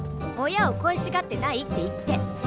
親を恋しがってないって言って。